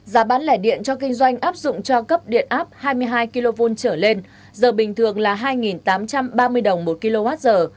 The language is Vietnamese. giá bán lẻ điện cho kinh doanh áp dụng cho cấp điện áp hai mươi hai kv trở lên giờ bình thường là hai tám trăm ba mươi đồng một kwh